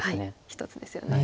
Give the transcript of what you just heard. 一つですよね。